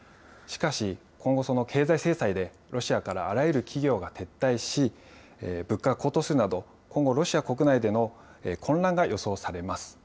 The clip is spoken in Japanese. しかし、今後その経済制裁で、ロシアからあらゆる企業が撤退し、物価が高騰するなど、今後ロシア国内での混乱が予想されます。